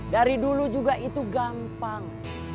dari dulu juga itu gampang